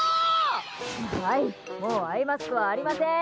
はい、もうアイマスクはありません。